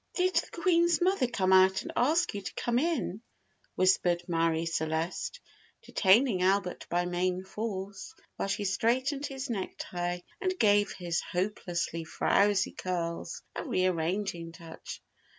"Did the Queen's mother come out and ask you to come in?" whispered Marie Celeste, detaining Albert by main force, while she straightened his necktie and gave his hopelessly frowsy curls a rearranging touch.